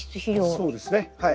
そうですねはい。